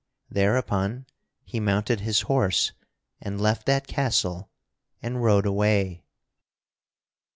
Thereupon he mounted his horse and left that castle and rode away.